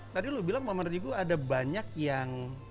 tadi lo bilang sama jigo ada banyak yang